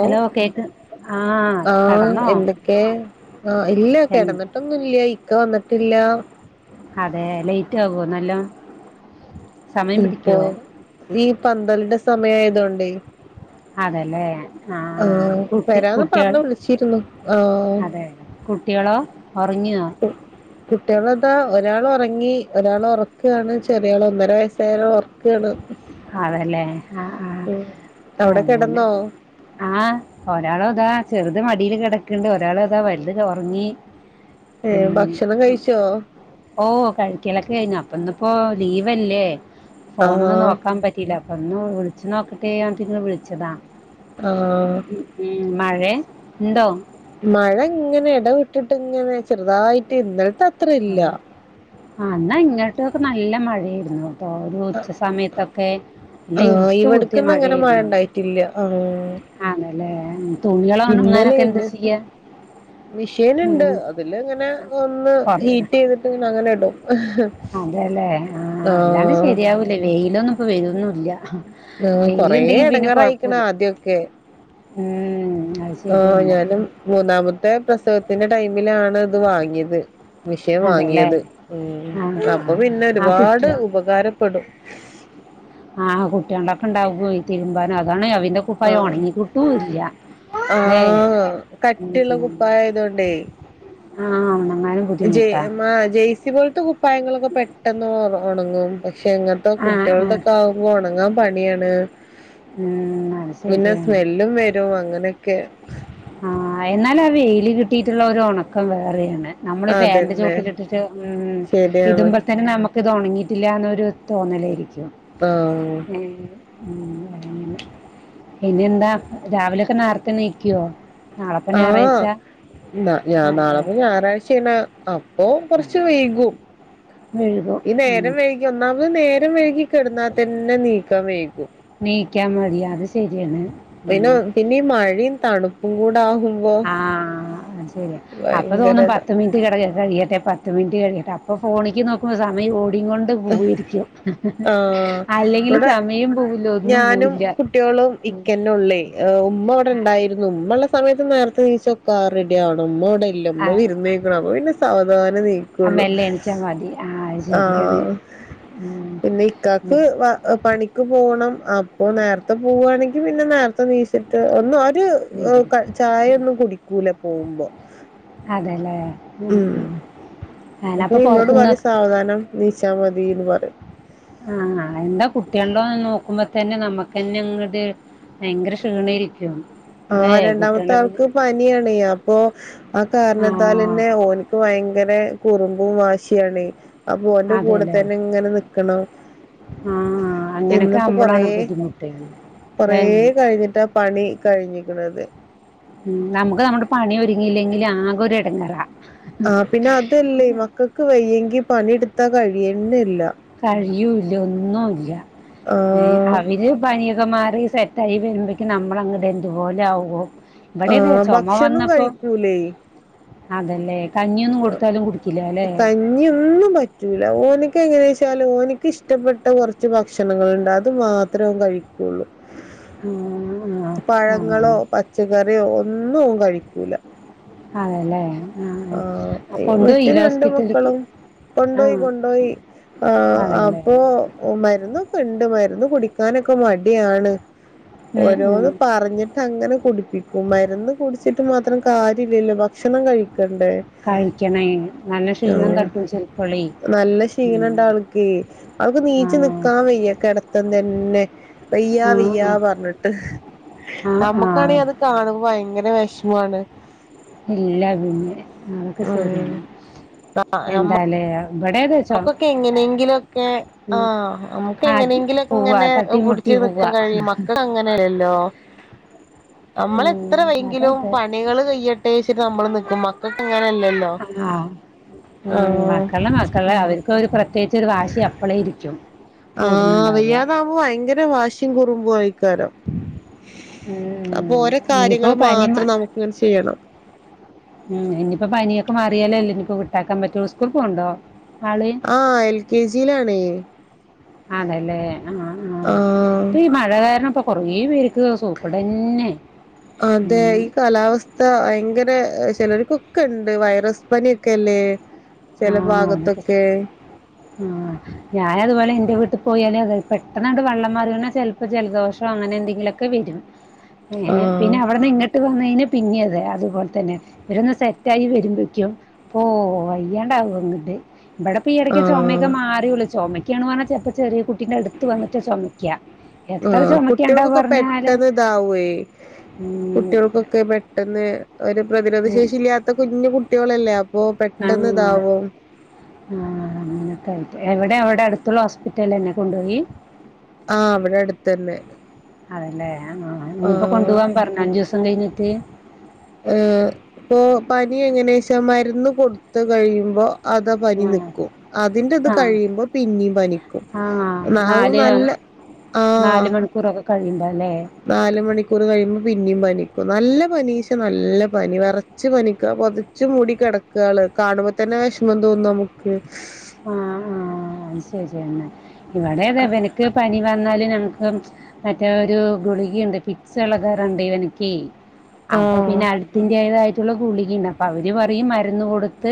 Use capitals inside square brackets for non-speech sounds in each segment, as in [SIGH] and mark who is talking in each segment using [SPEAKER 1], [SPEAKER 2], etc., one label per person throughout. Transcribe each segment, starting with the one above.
[SPEAKER 1] Hello കേക്ക് ആഹ്
[SPEAKER 2] ആഹ്
[SPEAKER 1] കടന്നോ
[SPEAKER 2] എന്തൊക്കെ? ആഹ് ഇല്ല
[SPEAKER 1] എ
[SPEAKER 2] കിടന്നിട്ടൊന്നുല്യ ഇക്ക വന്നിട്ടില്ല
[SPEAKER 1] അതെ ലേറ്റ് ആവോ നല്ലോം
[SPEAKER 2] ഇപ്പൊ വീ പന്തൽന്റെ സമയായതോണ്ടേ
[SPEAKER 1] അതെലേ
[SPEAKER 2] ആഹ് വരാന്ന് പർഞ്ഞ് വിളിച്ചിരുന്നു ആഹ്
[SPEAKER 1] അതെ കുട്ടികളോ ഒർങ്ങിയോ?
[SPEAKER 2] [UNINTELLIGIBLE] കുട്ട്യേളതാ ഒരാൾ ഒറങ്ങി ഒരാൾ ഒറക്കാണ് ചെറിയാൾ ഒന്നര വയസ്സായൊരാൾ ഒർ ഒറക്കാണ്
[SPEAKER 1] അതെലെ ആ ആ
[SPEAKER 2] അവിടെ
[SPEAKER 1] അങ്ങനെ
[SPEAKER 2] കിടന്നോ
[SPEAKER 1] ആഹ് ഒരാളതാ ചെറുത് മടില് കിടക്ക്ണ്ട് ഒരാൾ അതാ വലിത് ഉറങ്ങി.
[SPEAKER 2] ഏഹ് ഭക്ഷണം കഴിച്ചോ?
[SPEAKER 1] ഓഹ് കഴിക്കലൊക്കെ കഴിഞ്ഞു അപ്പ ഇന്നിപ്പോ ലീവല്ലേ
[SPEAKER 2] ആഹ്
[SPEAKER 1] ഫോണോന്ന് നോക്ക അം പറ്റിലാ അപ്പൊ ഒന്ന് വിളിച്ച് നോക്കട്ടെന്ന് എന്നിട്ടങ്ങ് വിളിച്ചതാ
[SPEAKER 2] ആഹ്
[SPEAKER 1] മ് മഴേ ഇണ്ടോ?
[SPEAKER 2] മഴ ഇങ്ങനെ ഇടവിട്ടിങ്ങനെ ചെറുതായിട്ട് ഇന്നലത്തെത്ര ഇല്ല
[SPEAKER 1] ആഹ് ന്നാ ഇങ്ങോട്ടൊക്കെ നല്ല മഴെയിരുന്നു. ഇപ്പോ ഒരു ഉച്ച സമയത്തൊക്കെ നല്ല ഇറുട്ട് കുത്തിയ മഴെയിരുന്നു
[SPEAKER 2] ട്ടില്ല ആഹ
[SPEAKER 1] ആണല്ലേ തുണികളോണങ്ങാനൊക്കെ എന്താ ചെയ്യാ
[SPEAKER 2] മിഷീൻ ഇണ്ട്
[SPEAKER 1] ഉം
[SPEAKER 2] അതില് ഇങ്ങനെ ഒന്ന് ഹീറ്റ് ചെയ്തിട്ട് അങ്ങനെ ഇടും
[SPEAKER 1] അതെല്ലെ ആഹ അല്ലാണ്ട്
[SPEAKER 2] ആഹ്
[SPEAKER 1] ശെരിയാവൂലേ വെയിലൊന്നും ഇപ്പ വരന്നൂല്ല.
[SPEAKER 2] കൊറേ ഇടങ്കാർയിക്കണ് ആദ്യാക്കെ
[SPEAKER 1] ഉം അത്
[SPEAKER 2] ആഹ്
[SPEAKER 1] ശരിയാണ്
[SPEAKER 2] ഞാനും മൂന്നാമത്തെ പ്രസവത്തിന്റെ ടൈമിലാണ് ഇത് വാങ്ങിയത്
[SPEAKER 1] അതെല്ലേ
[SPEAKER 2] മിഷൻവാങ്ങിയത് ഉം
[SPEAKER 1] ആഹ്
[SPEAKER 2] അപ്പൊ പിന്നെ
[SPEAKER 1] ആ
[SPEAKER 2] ഒരുപാട്
[SPEAKER 1] കുട്ടികൾ
[SPEAKER 2] ഉപകാരപ്പെടും
[SPEAKER 1] ആഹ് കുട്ടികളൊക്കെ ഇണ്ടാവകോയി തിരുമ്പാനും അതാണ് അവന്റെ കുപ്പായ
[SPEAKER 2] ആഹ്
[SPEAKER 1] ഉണങ്ങിക്കിട്ടുല്ല
[SPEAKER 2] ആഹ് കട്ടിള്ള കുപ്പായായ തോണ്ടേ
[SPEAKER 1] ആഹ് ഒണങ്ങാനും
[SPEAKER 2] ജെയ ജെയ്സി പോലത്തെ കുപ്പായങ്ങളൊക്കെ പെട്ടെന്ന് ഉണങ്ങും പക്ഷെ എങ്ങനത്തെ
[SPEAKER 1] ആ ആ
[SPEAKER 2] കുട്ടികളുടെക്കെ ആകുമ്പോ ഉണങ്ങാൻ പണിയാണ്
[SPEAKER 1] ഉം, അത്
[SPEAKER 2] പിന്നെ
[SPEAKER 1] ശരിയാണ്
[SPEAKER 2] സ്മെല്ലും വരും അങ്ങനെയൊക്കെ
[SPEAKER 1] ആഹ എന്നാല ആ വേയില് കിട്ടിയിട്ടുള്ള ഒരു ഉണക്കം വേറെയാണ് നമ്മള് പേൻന്റെ
[SPEAKER 2] അതന്നെ
[SPEAKER 1] ചോട്ടില ഇട്ടിട്ട് ഉം
[SPEAKER 2] ശരിയാണ്
[SPEAKER 1] ഇതമ്പോൾ തന്നെ നമുക്ക് ഒണങ്ങിയിട്ടില്ലന്നൊരും തോന്നലായിരിക്കും
[SPEAKER 2] ആഹ്
[SPEAKER 1] ഉം പിന്നെ എന്താ രാവിലൊക്കെ നേർത്തെ എണീക്കുവോ
[SPEAKER 2] ആഹ് എന്നാ ഞാൻ
[SPEAKER 1] അതെ
[SPEAKER 2] നാളെ ഞായറാഴ്ചയാണ് ആ ഓ ൻകൊറച്ച് വൈകും
[SPEAKER 1] വഴുകും
[SPEAKER 2] ഈ
[SPEAKER 1] ഉം.
[SPEAKER 2] നേരം വൈ ഈ ഒന്നാമത് നേരം വൈകി കെടന്നാ തന്നെ നീക്കാം വൈകും
[SPEAKER 1] നീയ്ക്കാം മടിയാ അത് ശരിയാണ് ഉം.
[SPEAKER 2] പിന്നെ പിന്നെ ഈ മഴിം തണുപ്പും കൂടാകു
[SPEAKER 1] ആഹ ശരി അപ്പൊ തോന്നും
[SPEAKER 2] ഭയങ്കരതാ
[SPEAKER 1] പത്ത് മിനിറ്റ് കിട കഴിയട്ടെ പത്ത് മിനിറ്റ് കഴിയട്ടെ അപ്പോ ഫോണിക്ക് നോക്കുമ്പോൾ സമയ ഓടികൊണ്ട് പോയിരിക്കും
[SPEAKER 2] ആഹ്
[SPEAKER 1] അല്ലെങ്കിൽ
[SPEAKER 2] ഇവിടെ
[SPEAKER 1] സമയം പോവില്ല ഒന്നും
[SPEAKER 2] ഞാനും
[SPEAKER 1] പോവില്ല
[SPEAKER 2] കുട്ടികളും ഇക്കന്നെ ഉമ്മ അവിടെണ്ടായിരുന്നു ഉമ്മ ഉള്ള സമയത്ത് നേരത്തെനെച്ച റെഡി ആവണം ഉമ്മട ഇല്ല നമ്മ വിരുന്നക്ക അപ്പ പിന്നെ സവാദാനെണിക്കും
[SPEAKER 1] ആ മെല്ലെ എണിച്ചാ മതി ആഹ് ശരിയാണ്
[SPEAKER 2] ആഹ്
[SPEAKER 1] ഉം
[SPEAKER 2] പിന്നെ ഇക്കാക്ക് പണിക്ക് പോണം അപ്പോ നേരത്തെ പോവാണെങ്കിൽ പിന്നെ നേരത്തെ നീച്ചിട്ട് ചായൊന്നും കുടിക്കൂല പോകുമ്പോ
[SPEAKER 1] അതെല്ലേ ഉം ഉം അനപ്പൊ പൊറത്തുന്ന്
[SPEAKER 2] സാവാദാനം നീച്ചാ മതിന്ന് പറയും
[SPEAKER 1] ആഹ് അന്റെ കുട്ടിൾതെ നോക്കുമ്പോ തന്നെ നമ്മുക്കന്നെ ഇങ്ങട് ഭയങ്കര ക്ഷീണായിരിക്കും ല്ലേ
[SPEAKER 2] ആഹ് രണ്ടാമത്തെ
[SPEAKER 1] കുട്ടികളുടെ പിന്നെ
[SPEAKER 2] ആൾക്ക് പനിയാണ് അപ്പൊ ആ കാരണത്താൽ
[SPEAKER 1] ആഹ്
[SPEAKER 2] തന്നെ ഓന് ഇപ്പം ഭയങ്കര കുറുമ്പും വാശിയാണ് അപ്പോ ഓന്റെ കൂടെ
[SPEAKER 1] അതെല്ലേ
[SPEAKER 2] തന്നെ ഇങ്ങനെ നിക്കണം
[SPEAKER 1] ആ
[SPEAKER 2] ഇന്ന്
[SPEAKER 1] അങ്ങനെയൊക്കെ
[SPEAKER 2] ഇപ്പോ കൊറേ
[SPEAKER 1] ആകുമ്പോഴാണ് ബുദ്ധിമുട്ട്
[SPEAKER 2] കൊറേ
[SPEAKER 1] അല്ലേ
[SPEAKER 2] കഴിഞ്ഞിട്ടാ പണി കഴിഞ്ഞിക്കിണത്
[SPEAKER 1] ഉം നമുക്ക് നമ്മുടെ പണി ഒരുങ്ങിയില്ലെങ്കിൽ ആകെ ഒരു എടങ്ങേറ
[SPEAKER 2] ആ പിന്നെ അതല്ലേ മക്കക്ക് വയ്യെങ്കി പണിയെടുത്താ കഴിയുന്നില്ല
[SPEAKER 1] കഴിയൂല്ല ഒന്നുല്ല
[SPEAKER 2] ആഹ്
[SPEAKER 1] അവര് പനിയൊക്കെ മാറി സെറ്റായി വരുമ്പേക്കും നമ്മള് അങ്ങ് എന്തുപോലെ ആവോ
[SPEAKER 2] ആ
[SPEAKER 1] ഇവിടെതേ ചൊമ
[SPEAKER 2] ഭക്ഷണം
[SPEAKER 1] വന്നപ്പോ
[SPEAKER 2] കഴിക്കൂലേ
[SPEAKER 1] അതല്ലേ കഞ്ഞിയൊന്നും കൊടുത്താലും കുടിക്കൂലല്ലേ
[SPEAKER 2] നിയൊന്നും പറ്റൂല ഓന്ക്ക് എങ്ങനെയാ വച്ചാല് ഓന്ക്ക് ഇഷ്ടപ്പെട്ട കൊറച്ച് ഭക്ഷണങ്ങളുണ്ട് അത് മാ ത്രം കഴിക്കുള്ളൂ
[SPEAKER 1] ആ, ആ,
[SPEAKER 2] പഴങ്ങളോ
[SPEAKER 1] അങ്ങനെ
[SPEAKER 2] പച്ചക്കറിയോ ഒന്നും ഓൻ കഴിക്കൂല
[SPEAKER 1] അതെല്ലേ
[SPEAKER 2] ആഹ് ഏഹ് മറ്റേ രണ്ട്
[SPEAKER 1] ഹോസ്പിറ്റലിലേക്ക്
[SPEAKER 2] മക്കളും
[SPEAKER 1] ആ
[SPEAKER 2] കൊണ്ടോയി കൊണ്ടോയി ആഹ്
[SPEAKER 1] അതല്ലേ
[SPEAKER 2] അപ്പോ ഓ മരുന്നൊക്കെ ഉണ്ട് മരുന്ന് കുടിക്കാനൊക്കെ മടിയാണ്
[SPEAKER 1] ഉം, ഉം.
[SPEAKER 2] ഓരോന്ന് പറഞ്ഞിട്ട് അങ്ങനെ കുടിപ്പിക്കും മരുന്ന് കുടിച്ചിട്ട് മാത്രം കാര്യ ഇില്ലല്ലോ ഭക്ഷണം കഴിക്കണ്ടേ
[SPEAKER 1] കഴിക്കണേ നല്ല
[SPEAKER 2] ആ
[SPEAKER 1] ക്ഷീണം തട്ടു ചെലപ്പൊളി
[SPEAKER 2] നല്ല ക്ഷീണം ഇണ്ടവക്കേ അവൾക്ക് നീച്ച്
[SPEAKER 1] ആണോ
[SPEAKER 2] നിക്കാൻ വയ്യ കെടത്തം തന്നെ വയ്യ വയ്യാ പറഞ്ഞിട്ട്
[SPEAKER 1] ആ ആ ആ ആ
[SPEAKER 2] നമ്മക്കാണെ അത് കാണുമ്പോ ഭയങ്കര വെഷമാണ്
[SPEAKER 1] ഇല്ലാ പിന്നെ അതൊക്കെ
[SPEAKER 2] ഉം
[SPEAKER 1] ശരിയാണ് എന്താലേ ഇവിടതെ
[SPEAKER 2] ഓക്കൊക്കെ എങ്ങനെയെങ്കിലുവൊക്കെ ആഹ നമുക്ക്
[SPEAKER 1] ആ
[SPEAKER 2] എങ്ങനെയെങ്കിലും
[SPEAKER 1] പോവാ
[SPEAKER 2] എങ്ങനെ
[SPEAKER 1] തട്ടിമുട്ടി
[SPEAKER 2] പിടിച്ച
[SPEAKER 1] പോവാ
[SPEAKER 2] നിക്കാൻ കഴിയും മക്കൾ അങ്ങനെയല്ലല്ലോ നമ്മളെത്ര
[SPEAKER 1] ഉം,
[SPEAKER 2] വയ്യെങ്കിലും
[SPEAKER 1] അതതെ
[SPEAKER 2] പണികള് കയ്യ ത്തേച്ചിട്ട് നമ്മള് നിക്കും മക്കൾക്ക് ഇങ്ങനെയല്ലല്ലോ
[SPEAKER 1] ആഹ് ഉം മക്കള മക്കള് അവർക്ക് ഒരു പ്രത്യേക ചെറ വാശി അപ്പോളേ ഇരിക്കും
[SPEAKER 2] ആഹ്
[SPEAKER 1] കൂടുന്നുണ്ടാവുക
[SPEAKER 2] വയ്യാതാവുമ്പോ ഭയങ്കര വാശ്യം കുറുമ്പ് ഴിക്കാരം അപ്പൊ
[SPEAKER 1] ഉം,
[SPEAKER 2] ഓരോ
[SPEAKER 1] ഇനിയിപ്പോ
[SPEAKER 2] കാര്യങ്ങളും
[SPEAKER 1] പനി
[SPEAKER 2] മാത്രം
[SPEAKER 1] മ-
[SPEAKER 2] നമുക്ക്ങ്ങനെ ചെയ്യണം
[SPEAKER 1] ഉം ഇനിയിപ്പോ പനിയൊക്കെ മാറിയാലോല്ലേ ഇനിയിപ്പോ വിട്ടാക്കാൻ പറ്റുള്ളൂ സ്കൂൾ പോണ്ടോ ആള്
[SPEAKER 2] ആഹ് എൽ കെ ജിയിലാണ്
[SPEAKER 1] അണല്ലേ ആഹ് ആഹ്
[SPEAKER 2] ആഹ്
[SPEAKER 1] ഇപ്പൊ ഈ മഴ കാരണം ഇപ്പൊ കൊറേ പേര്ക്ക് സൂക്കേടന്നെ
[SPEAKER 2] അതെ ഈ കാലാവസ്ഥ ഭയങ്കര ചിലർക്കൊക്കെ ഉണ്ട് വൈറസ് പനിയൊക്കെല്ലേ ചില
[SPEAKER 1] ആഹ് അതൊക്കെ
[SPEAKER 2] ഭാഗത്തൊക്കെ
[SPEAKER 1] ആഹ് ഞാനതുപോലെ എന്റെ വീട്ടി പോയാലേ അതെ പെട്ടെന്ന്ണ്ട് വെള്ളം മാറിയോണ ചെൽ പ്പ ജലദോഷോ അങ്ങനെന്തെങ്കിലൊക്കെ വരും ഏഹ്ഏഹ്
[SPEAKER 2] ആഹ്
[SPEAKER 1] പിന്നെ അവിടുന്ന് ഇങ്ങട്ട് പോന്നഴിഞ്ഞ പിന്നിതെ അതുപോൽതന്നെ ഇവരൊന്ന് സെറ്റായി വരുമ്പയ്ക്കും ഓഹ് അയി വയ്യണ്ടാവും അങ്ങട് ഇവിടെ ഇപ്പ ഈ എടയ്ക്ക്
[SPEAKER 2] ആഹ്
[SPEAKER 1] ചൊമയൊക്കെ മാറിയുള്ളൂ ചൊമയ്ക്കാണ് പറഞ്ഞാൽ ചെലപ്പോ ചെറിയ കു പിന്നെ എടുത്ത് വന്നിട്ടാ ചൊമക്ക്യാ
[SPEAKER 2] ആഹ് കുട്ട്യോൾക്കൊക്കെ പെട്ടന്ന് ഇതാവേ
[SPEAKER 1] ഉം
[SPEAKER 2] കുട്ട്യോൾക്കൊ ഒക്കെ പെട്ടെന്ന് ഒരു പ്രതിരോധ
[SPEAKER 1] ഉം
[SPEAKER 2] ശേഷി ഇല്ല്യാത്ത കുഞ്ഞു കുട്ടികളല്ലേ ഓഹ് പെട്ടെന്ന്
[SPEAKER 1] ആഹ്
[SPEAKER 2] ഇതാവും
[SPEAKER 1] ആഹ് അങ്ങനോക്കെയായിട്ട് എവിടെ അവിടെ അടുത്തുള്ള ഹോസ്പിറ്റലന്നെ കൊണ്ടോയി
[SPEAKER 2] ആഹ് വിടെടുതന്നെ
[SPEAKER 1] അതല്ലേ ആഹ് ഞ്ഞിപ്പോ കൊണ്ടുവാൻ പറഞ്ഞോ അഞ്ചോസം കഴിഞ്ഞിട്ട്
[SPEAKER 2] ഏഹ് ഇപ്പൊ പനി എങ്ങനാച്ച മരുന്ന് കൊടുത്ത് കഴിയുമ്പോ അതാ പനി
[SPEAKER 1] ആഹ്
[SPEAKER 2] നിക്കും അതിന്റെ ഇത്
[SPEAKER 1] ആഹ്
[SPEAKER 2] കഴിയുമ്പോ പിന്നീം പനിക്കും
[SPEAKER 1] ആഹ്
[SPEAKER 2] നാവ്
[SPEAKER 1] നാല്
[SPEAKER 2] നല്ല ആഹ്
[SPEAKER 1] കണ്ടലേ
[SPEAKER 2] നാല് മണിക്കൂർ കഴിയുമ്പോ പിന്നിം പനിക്കും നല്ല പനീശ നല്ല പനി വറ ച്ച് പനിക്കാ പൊതച്ചു മുടി കെടക്കാള് കാണുമ്പോ തന്നെ വിഷമം തോന്നും നമുക്ക്
[SPEAKER 1] ആഹ് ആഹ് അഹ് ശരിന്നേ ഇവിടതാ വൻക്ക് പനി വന്നല് നമ്ക്ക് മറ്റേ ഒരു ഗുളികയിണ്ട് പിക്സ് എളകാറുണ്ട് ഇവനിക്കേ അപ്പൊ
[SPEAKER 2] ആഹ്
[SPEAKER 1] പിന്നെ അടുത്തിന്റേതായിട്ടുള്ള ഗുളിക ഇണ്ട് അപ്പ അവെര് പറയും മര്ന്ന് കൊട്ത്ത്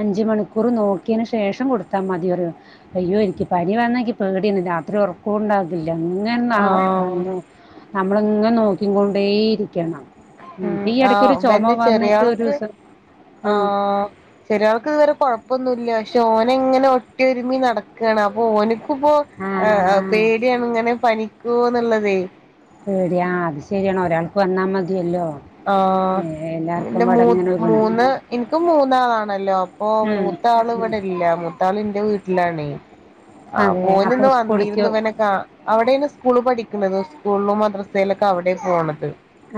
[SPEAKER 1] അഞ്ച് മണിക്കൂർ നോക്കിയെന് ശം ശേഷം കൊടുത്ത മതി പറയും അയ്യോ എനിക്ക് പനി വന്നാനിക്ക് പേടിയാണ് രാത്രി ഉറ ണ്ടാകത്തില്ല ഇങ്ങനെ
[SPEAKER 2] ആഹ്
[SPEAKER 1] നമ്മളിങ്ങനെ നോക്കിക്കൊണ്ടേയിരിക്കണം
[SPEAKER 2] ആഹ് ഇവന്റെ
[SPEAKER 1] ഒരു
[SPEAKER 2] ചെറിയാൾക്ക്
[SPEAKER 1] ദിവസം
[SPEAKER 2] ആ ചെറിയാൾക്ക് ഇതുവരെ കൊഴപ്പൊന്നും ഇല്ല പക്ഷെ ഓനിങ്ങനെ ഒട്ടിയൊരുമ്മി നടക്കാണ് അപ്പൊ ഓൻക്ക് ഇപ്പോ
[SPEAKER 1] ആ
[SPEAKER 2] ആഹ് ആഹ്
[SPEAKER 1] ആ
[SPEAKER 2] പേടിയാണ് ഇങ്ങനെ പനിക്കോന്ന് ഇള്ളതെ
[SPEAKER 1] പേടിയാ അത് ശരിയാണ് ഒരാൾക്ക് വന്നാ മതിയല്ലോ
[SPEAKER 2] ആഹ്
[SPEAKER 1] ഏ എല്ലാർക്കും
[SPEAKER 2] പിന്നെ
[SPEAKER 1] ഇവിടെ
[SPEAKER 2] മൂന്ന്
[SPEAKER 1] ഇങ്ങനെ ഒരുമിച്ച്
[SPEAKER 2] മൂന്ന് എനിക്ക് മൂന്നാണല്ലോ ഓ
[SPEAKER 1] ഉം ഉം
[SPEAKER 2] മൂത്താളിവിടില്ല മൂത്താൾ എന്റെ വീട്ടിലാണെ ആഹ്
[SPEAKER 1] അതെ
[SPEAKER 2] മോൻ
[SPEAKER 1] അപ്പൊ
[SPEAKER 2] ഇന്ന്
[SPEAKER 1] സ്കൂളിക്ക്
[SPEAKER 2] വന്നിര്ന്നു ഇവനെ കാ അവിടെണ് സ്കൂള് പഠിക്കണത് സ്കൂളും മദ്രസയിലൊക്കെ അവിടെ പോണത്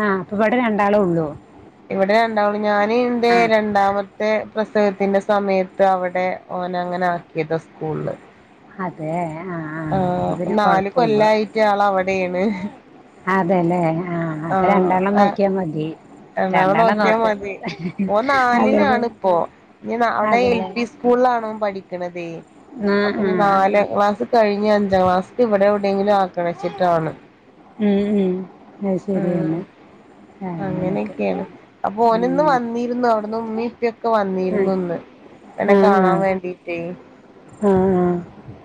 [SPEAKER 1] ആഹ് ഇപ്പ ഇവെടെ രണ്ടാളെ ഒള്ളു
[SPEAKER 2] ഇവിടെ രണ്ടാളും ഞാന് എന്റെ രണ്ടാമത്തെ മത്തെ പ്രസവത്തിന്റെ സമയത്ത് അവിടെ ഓനങ്ങനെ ആക്കിയതാ സ്കൂളില്
[SPEAKER 1] അതെ ആ ആ
[SPEAKER 2] ആഹ്
[SPEAKER 1] അപ്പൊ
[SPEAKER 2] അപ്പ
[SPEAKER 1] പിന്നെ
[SPEAKER 2] നാല്
[SPEAKER 1] കൊഴപ്പമില്ല
[SPEAKER 2] കൊല്ലായിട്ട് ആൾ അവിടെയാണ്
[SPEAKER 1] അതെല്ലേ ആ അപ്പൊ രണ്ടെണ്ണം നോക്കിയാൽ മതി
[SPEAKER 2] രണ്ടാമെത്
[SPEAKER 1] രണ്ടാളെ
[SPEAKER 2] നോക്കിയാ
[SPEAKER 1] നോക്ക്
[SPEAKER 2] മതി ഓൻ
[SPEAKER 1] അതെതെ
[SPEAKER 2] നാലിലാണ് ഇപ്പോ ഇഞ്ഞ് നാ അയുടെ എൽ
[SPEAKER 1] അതെല്ലേ
[SPEAKER 2] പി സ്കൂളിലാണവൻ പഠിക്കണതേ
[SPEAKER 1] ആ ആ
[SPEAKER 2] അപ്പൊനി നാലാം ക്ലാസ് കഴിഞ്ഞ അഞ്ചാം ക്ലാസില് ഇവിടെയെവിടെയങ്കിലും ആക്കണമെന്ന് വെച്ചിട്ടാണ്
[SPEAKER 1] ഉം ഉം അത്
[SPEAKER 2] ഉം
[SPEAKER 1] ശരിയാണ് അങ്ങനൊക്കെ
[SPEAKER 2] അങ്ങനെയൊക്കെ ആണ് അപ്പ ഓനിന്ന്
[SPEAKER 1] ഉം
[SPEAKER 2] വന്നി രുന്നു അവ്ട്ന്ന് ഉമ്മിം ഉപ്പിം ഒക്കെ
[SPEAKER 1] ആ
[SPEAKER 2] വന്നിരുന്നു ഇന്ന് എന്നെ കാണാൻ വേണ്ടിട്ടെയ്
[SPEAKER 1] ആഹ്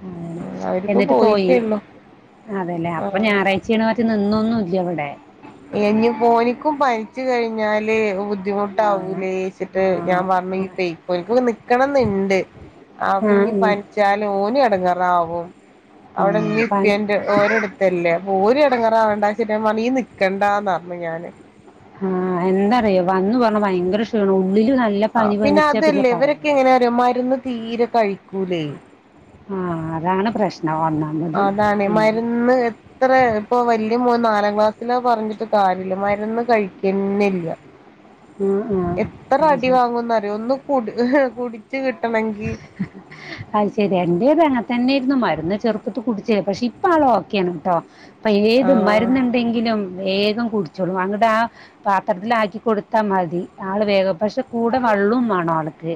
[SPEAKER 1] ആഹ്
[SPEAKER 2] അവരിപ്പോ
[SPEAKER 1] എന്നിട്ട് പോയി
[SPEAKER 2] പോയിട്ടേ ഉള്ളു
[SPEAKER 1] അതെല്ലേ അപ്പൊ
[SPEAKER 2] ആഹ്
[SPEAKER 1] ഞാറാഴ്ച്ച ച്ചീണം മാറ്റി നിന്നെയ് ഒന്നും ഇല്ല ഇവെടെ
[SPEAKER 2] ഇനിയിപ്പോ ഓനിക്കും പനിച്ചു കഴിഞ്ഞാല് ബു
[SPEAKER 1] ആ ആ
[SPEAKER 2] ബുദ്ധിമുട്ടാവൂലേച്ചിട്ട് ഞാൻ
[SPEAKER 1] ആ
[SPEAKER 2] പർണ് ഇയ്യ് പെയ്ക്കോ ഓൽക്ക് ഇപ്പം നിക്കെണംന്ന് ഇണ്ട്
[SPEAKER 1] ആ
[SPEAKER 2] അവനി
[SPEAKER 1] ഉം.
[SPEAKER 2] പനിച്ചാല് ഓന് എടങ്ങാറാവും
[SPEAKER 1] ആ പനി-
[SPEAKER 2] അവിടെന്നെപ്പന്റെ ഓരട്ത്തല്ലേ അപ്പൊ ഓരിക്ക്‌ എടങ്ങേറാവേണ്ടന്നു വെച്ചിട്ട് ഞാൻ പറഞ്ഞു നീ നിൽക്കണ്ടന്ന് പറഞ്ഞു ഞാന്
[SPEAKER 1] ആഹ് എന്താ അറിയോ വന്ന് പർണാ ഭയങ്കര ക്ഷീണും ഉള്ളിൽ നല്ല
[SPEAKER 2] ആഹ്
[SPEAKER 1] പനി
[SPEAKER 2] പിന്നെ
[SPEAKER 1] പനിച്ച
[SPEAKER 2] അത് അല്ലെയ് ഇവരൊക്കെ
[SPEAKER 1] പറയണ്ടോ
[SPEAKER 2] എങ്ങനെ അറിയോ മര്ന്ന് തീരെ കഴിക്കൂലെയ്
[SPEAKER 1] ആഹ് അതാണ് പ്രശ്നം വന്ന
[SPEAKER 2] അതാണെയ് മര്ന്ന് എപ്പ് അത്ര ഇപ്പൊ വല്യ മോൻ നാലാം ക്ലാസ്സില് പറഞ്ഞിട്ട് കാര്യല്ല്യ മരുന്ന് കഴിക്കന്യേയില്ല
[SPEAKER 1] ആ ആ
[SPEAKER 2] എത്ര
[SPEAKER 1] അത്
[SPEAKER 2] അടി
[SPEAKER 1] ശരി
[SPEAKER 2] വാങ്ങുന്നറിയോ ഒന്ന് കുടിച്ച് കിട്ടണെങ്കി
[SPEAKER 1] [UNINTELLIGIBLE] ഐശ്ശേരി എന്റെേതും അങ്ങനെത്തന്നെയായിരുന്നു മരുന്ന് ചെറുപ്പത്ത് കുടിച്ചെ പക്ഷെ ഇപ്പ ആള് ഓക്കെയാണ്‌ട്ടോ ഇപ്പൊ ഏത്
[SPEAKER 2] ആഹ്
[SPEAKER 1] മരുന്നുണ്ടെങ്കിലും വേഗം കുടിച്ചോളും അന്നിട്ട് ആ പാത്രത്തിലാക്കി കൊടുത്താ മതി ആള് വേഗം പക്ഷെ കൂടെ വെള്ളോം വേണോം ആൾക്ക്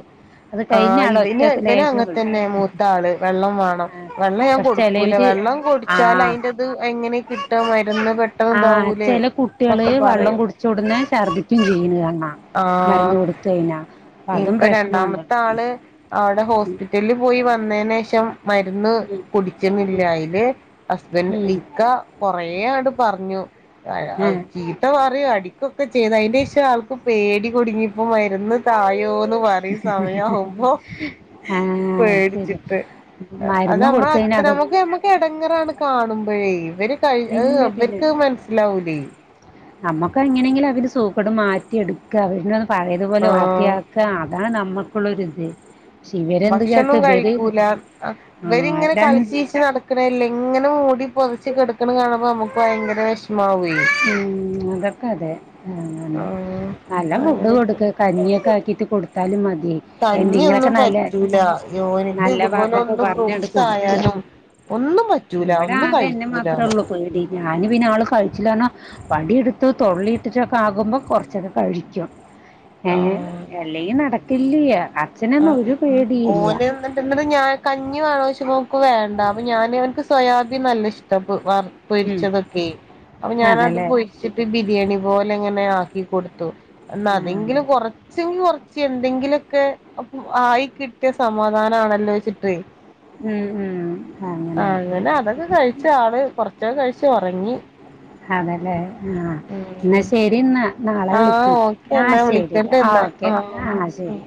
[SPEAKER 1] അത് കഴിഞ്ഞ ആൾ ഒറ്റ
[SPEAKER 2] പിന്നെ ഇബെൻ
[SPEAKER 1] ലേശം
[SPEAKER 2] അങ്ങെൻ
[SPEAKER 1] വെള്ളം
[SPEAKER 2] തെന്നെ മൂത്ത ആൾ വെള്ളം വാണം
[SPEAKER 1] ആ,
[SPEAKER 2] വെള്ളം ഞാൻ
[SPEAKER 1] പക്ഷെ
[SPEAKER 2] കൊടുക്കൂല
[SPEAKER 1] ചിലവര്
[SPEAKER 2] വെള്ളം
[SPEAKER 1] ആ
[SPEAKER 2] കുടിച്ചാല് അതിന്റെത് എങ്ങനെ കിട്ടുവാ മരുന്ന് പെട്ടെ
[SPEAKER 1] ആ ചെല കുട്ടികള് വെള്ളം കുടിച്ചോടനെ ഛർദ്ദിക്കേം ചെയ്യുന്ന കാണാം
[SPEAKER 2] ആഹ്
[SPEAKER 1] മരുന്ന് കൊടുത്തു കഴിഞ്ഞാ അപ്പൊ അതും
[SPEAKER 2] ഇപ്പൊ
[SPEAKER 1] പ്രശ്നമാണ്
[SPEAKER 2] രണ്ടാമത്തെ ആള് അയുടെ ഹോസ്പിറ്റെല്ൽ പോയി വന്നെയ്ന് ശേഷം മര്ന്ന്
[SPEAKER 1] ഉം,
[SPEAKER 2] കുടിക്ക്ണ് ഇല്ല
[SPEAKER 1] ഉം,
[SPEAKER 2] അയിൽ ഹസ്ബൻഡ്
[SPEAKER 1] ഉം,
[SPEAKER 2] ഇക്ക കൊറേ അങ്ങട് പറഞ്ഞു
[SPEAKER 1] ഉം.
[SPEAKER 2] അത്
[SPEAKER 1] ആ
[SPEAKER 2] ചെയ് ഇക്കാ പറയും അടിക്കുവോക്കെ ചെയ്ത് അയിന് ശേഷം ആൾക്ക് പേടി കുടുങ്ങിപ്പോ മരുന്ന് തായോ ന്നു പറി സമയാകുമ്പോ
[SPEAKER 1] ആഹ് അത് ശരി
[SPEAKER 2] പേടിച്ചിട്ട് അത്
[SPEAKER 1] മരുന്ന്
[SPEAKER 2] നമ്മെൾ
[SPEAKER 1] കൊടുത്ത് കഴിഞ്ഞാ
[SPEAKER 2] അത്ര
[SPEAKER 1] അത്
[SPEAKER 2] നമ്മെക്ക് നമ്മ ഇത് എടങ്ങേറാണ് കാണുമ്പഴേ ഇവര് കഴി അഹ്
[SPEAKER 1] ഇല്ല പിന്നെ
[SPEAKER 2] ഇവെര്ക്ക് അഹ് മൻസ്സിലാവൂലെയ്
[SPEAKER 1] നമ്മുക്ക് എങ്ങനെങ്കിലും അവരെ സോപ്പിട്ട് മാറ്റി എടുക്കം പിന്നെ പഴയതുപോലെ ഓക്കെ
[SPEAKER 2] ആഹ്
[SPEAKER 1] അതാണ് നമ്മുക്കുള്ളൊരു ഇത്
[SPEAKER 2] ഭക്ഷണം കഴിക്കൂല
[SPEAKER 1] ആഹ്
[SPEAKER 2] ഇവരിങ്ങനെ കളിച്ച്
[SPEAKER 1] രണ്ട്
[SPEAKER 2] ചിരിച് നടക്കു നടക്കണേല്ല എങ്ങനെ മൂടി പൊതച്ച് കിടക്കണ് കാണുമ്പോ നമുക്ക് ഭയങ്കര വിഷമാവേ
[SPEAKER 1] ഉം അതക്കാതെ അങ്ങനെ
[SPEAKER 2] ആഹ്
[SPEAKER 1] നല്ല ഫുഡ്
[SPEAKER 2] അങ്ങനെയൊക്കെ
[SPEAKER 1] കൊടുക്ക് കഞ്ഞിയൊക്കെ ആക്കീട്ട് കൊടുത്താലും മതി എന്തെങ്കിലുമൊക്കെ
[SPEAKER 2] കഞ്ഞിയൊന്നും
[SPEAKER 1] നല്ല
[SPEAKER 2] പറ്റൂല ഓന്ക്ക്
[SPEAKER 1] നല്ല
[SPEAKER 2] ഇതുപോലെ
[SPEAKER 1] വാക്കൊക്കെ
[SPEAKER 2] ഒന്ന്
[SPEAKER 1] പറഞ്ഞാണ്ട്
[SPEAKER 2] ഫ്രൂട്ട്സ്
[SPEAKER 1] കൊടുക്ക
[SPEAKER 2] ആയാലും ഒന്നും പറ്റൂല പറ്റൂല
[SPEAKER 1] ഇവിടെ
[SPEAKER 2] ഒന്നും
[SPEAKER 1] ആകെ എന്നെ
[SPEAKER 2] കഴിക്കൂല
[SPEAKER 1] മാത്രമേ
[SPEAKER 2] എന്ന്
[SPEAKER 1] ഉള്ളൂ പേടി ഞാൻ പിന്നെ ആള് കളിച്ചില്ല വടിയെടുത്തൊ തൊള്ളിയിട്ടിട്ടൊക്കെ ആകുമ്പോ കുറച്ചൊക്കെ കഴിക്കും ഏ
[SPEAKER 2] ആഹ്
[SPEAKER 1] അല്ലെങ്കിൽ നടക്കില്ല്യാ അച്ഛനൊന്നും ഒരു പേടിയില്ല
[SPEAKER 2] പറ്റുന്നദ് ഞാൻ കഞ്ഞി വേണോയ്‌ച്ചുമ്പോ ഓന്ക് വേണ്ട അപ്പ ഞാന്നിഇവൻക്ക് സോയാബീൻ നല്ല ഇഷ്ട അപ്പൊ വാ
[SPEAKER 1] ഉം
[SPEAKER 2] പൊരിച്ചതൊക്കെ അപ്പൊ ഞാനത്
[SPEAKER 1] അതല്ലേ
[SPEAKER 2] പൊരിച്ചിട്ട് ബിരിയാണി പോലെ ഇങ്ങനെ ആക്കി കൊടുത്തു എന്ന
[SPEAKER 1] ആ
[SPEAKER 2] അതെങ്കിലും കൊറച്ചെങ്കി കൊറച്ച് എന്തെങ്കിലും ഒക്കെ അപ്പം ആയി കിട്ടിയ സമാധാനമാണല്ലോ ചിട്ട്
[SPEAKER 1] ഉം ഉം അങ്ങനായിട്ട്
[SPEAKER 2] അങ്ങനെ അതൊക്കെ കഴിച്ച ആള് കൊറച്ചൊക്കെ കഴിച്ചു ഒറങ്ങി
[SPEAKER 1] അതല്ലേ ആഹ എന്നാ
[SPEAKER 2] ഉം
[SPEAKER 1] ശരി എന്നാ നാളെ
[SPEAKER 2] ആഹ്
[SPEAKER 1] വിളിക്കി
[SPEAKER 2] ഓക്കെ
[SPEAKER 1] ആഹ
[SPEAKER 2] എന്നാ
[SPEAKER 1] ശരിട്ട്
[SPEAKER 2] വിളിക്കണ്ട്
[SPEAKER 1] ആഹ്
[SPEAKER 2] എന്നാ
[SPEAKER 1] ഓക്കെ ആഹ
[SPEAKER 2] ഓക്കെ
[SPEAKER 1] ശരി